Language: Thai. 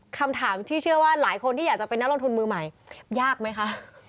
คำถามที่เชื่อว่าหลายคนที่อยากจะเป็นนักลงทุนมือใหม่ยากไหมคะ